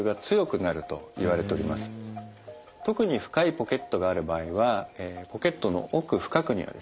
特に深いポケットがある場合はポケットの奥深くにはですね